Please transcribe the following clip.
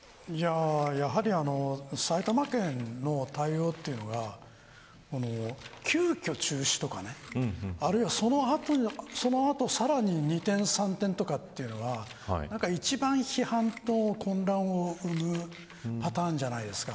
やはり埼玉県の対応というのが急きょ中止とかあるいは、その後さらに二転三転とかというのは一番批判と混乱を生むパターンじゃないですか。